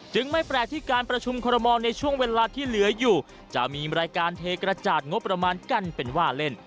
ไม่แปลกที่การประชุมคอรมอลในช่วงเวลาที่เหลืออยู่จะมีรายการเทกระจาดงบประมาณกันเป็นว่าเล่น